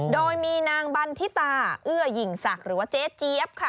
โดยมีนางบันทิตาเอื้อหญิงศักดิ์หรือว่าเจ๊เจี๊ยบค่ะ